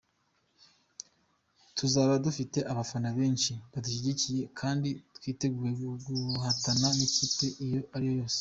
Tuzaba dufite abafana benshi badushyigikiye kandi twiteguye guhatana n’ikipe iyo ariyo yose.